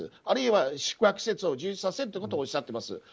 あるいは宿泊施設を充実させることをおっしゃっています。